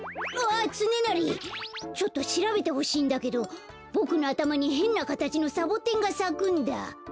あっつねなりちょっとしらべてほしいんだけどボクのあたまにへんなかたちのサボテンがさくんだ。